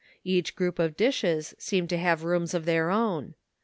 Each group of dishes seemed to have rooms of their own.